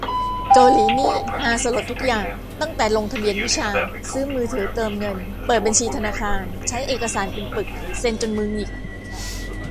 เกาหลีนี่ฮาสลดทุกอย่าง ตั้งแต่ลงทะเบียนวิชา ซื้อมือถือเติมเงิน เปิดบัญชีธนาคาร ใช้เอกสารเป็นปึก เซ็นจนมือหงิก